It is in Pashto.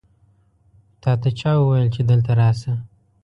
تاته چا وویل چې دلته راشه؟